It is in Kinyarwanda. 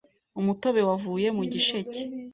Umutobe wavuye mu gisheke